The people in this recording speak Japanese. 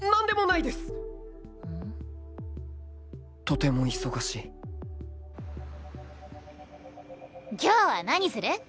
とても忙しい今日は何する？